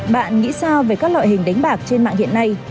bạn nghĩ sao về các loại hình đánh bạc trên mạng hiện nay